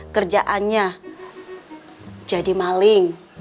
kerjaannya jadi maling